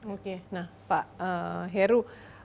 oke nah pak heru